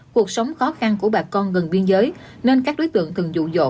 cuộc sống khó khăn của bà con gần biên giới nên các đối tượng thường dụ dỗ